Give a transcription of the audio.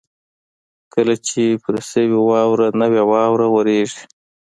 کله چې پر شوې واوره نوره واوره ورېږي.